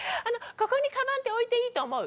ここにカバンって置いていいと思う？